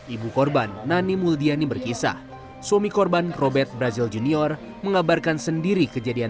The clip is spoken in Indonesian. ibu korban nani muldiani berkisah suami korban robert brazil junior mengabarkan sendiri kejadian